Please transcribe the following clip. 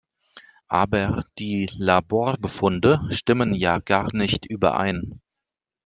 Aber die Laborbefunde stimmen ja gar nicht überein.